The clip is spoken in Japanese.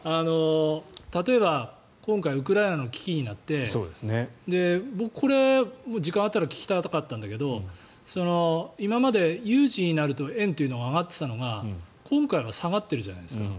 例えば今回ウクライナの危機になって僕これ、時間があったら聞きたかったんだけど今まで有事になると円って上がっていたのが今回は下がってるじゃないですか。